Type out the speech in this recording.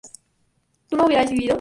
¿tú no hubieras vivido?